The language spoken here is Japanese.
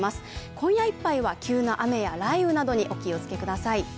今夜いっぱいは急な雨や雷雨などにお気をつけください。